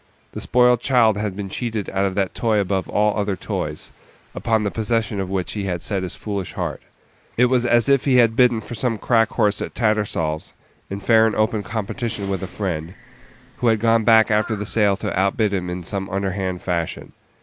The spoiled child had been cheated out of that toy above all other toys, upon the possession of which he had set his foolish heart. It was as if he had bidden for some crack horse at Tattersall's, in fair and open competition with a friend, who had gone back after the sale to outbid him in some underhand fashion.